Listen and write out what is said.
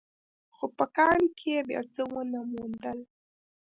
خو په کان کې يې بيا څه ونه موندل.